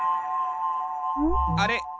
あれ？